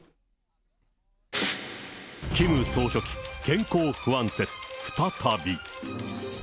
キム総書記健康不安説再び。